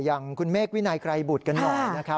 อย่างคุณเมฆวินัยไกรบุตรกันหน่อยนะครับ